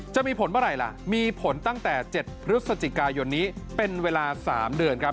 จะมีผลเมื่อไหร่ล่ะมีผลตั้งแต่๗พฤศจิกายนนี้เป็นเวลา๓เดือนครับ